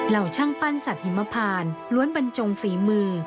ช่างปั้นสัตว์หิมพานล้วนบรรจงฝีมือ